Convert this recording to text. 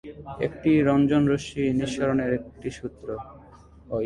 এটি রঞ্জন-রশ্মি নিঃসরণের একটি সূত্র।